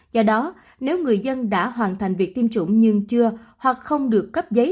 do đó nếu người dân đã hoàn thành việc tiêm chủng nhưng chưa hoặc không được cấp giấy